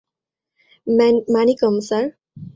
Manickam, sir.